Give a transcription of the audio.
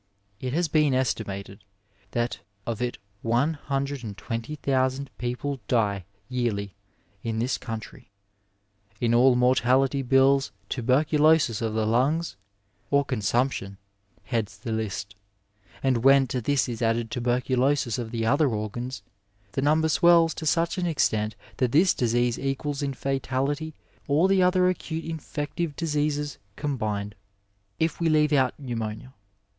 It has been estimated that of it one hundred and twenty thousand people die yearly in this country. In all mortality bills tuberculosis of the lungs, or consumption, heads the list, and when to this is added tuberculosis of the other organs, the number swells to such an extent that this disease equals in fatality all the other acute infective diseases t^ombined, if we leave out pneumonia.